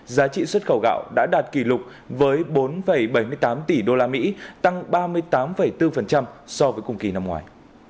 giá trị xuất khẩu gạo đã đạt kỷ lục với bốn bảy mươi tám tỷ usd tăng ba mươi tám bốn so với cùng kỳ năm ngoài